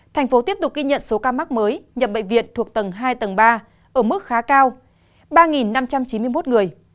thành phố tiếp tục ghi nhận số ca mắc mới nhập bệnh viện thuộc tầng hai tầng ba ở mức khá cao ba năm trăm chín mươi một người